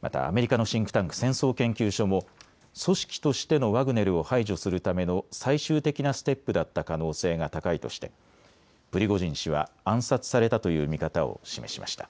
またアメリカのシンクタンク、戦争研究所も組織としてのワグネルを排除するための最終的なステップだった可能性が高いとしてプリゴジン氏は暗殺されたという見方を示しました。